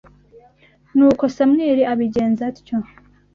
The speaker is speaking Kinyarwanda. Nuko Samweli abigenza atyo